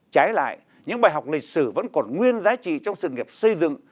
trái lại những bài học lịch sử vẫn còn nguyên giá trị trong sự nghiệp xây dựng